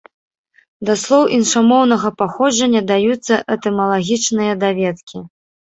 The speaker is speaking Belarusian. Да слоў іншамоўнага паходжання даюцца этымалагічныя даведкі.